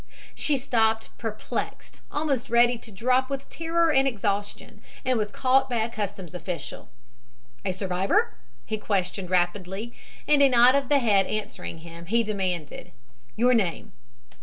She stopped, perplexed, almost ready to drop with terror and exhaustion, and was caught by a customs official. "A survivor?" he questioned rapidly, and a nod of the head answering him, he demanded: "Your name."